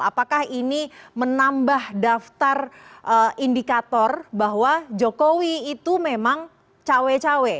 apakah ini menambah daftar indikator bahwa jokowi itu memang cawe cawe